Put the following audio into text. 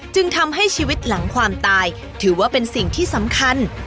จึงทำให้ชีวิตหลังความตายถือว่าเป็นสิ่งที่สำคัญ